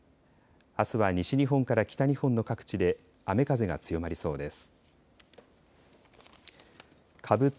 あすは西日本から北日本の各地で雨風が強まりそうです。